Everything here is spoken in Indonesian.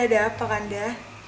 kanda ada apa kanda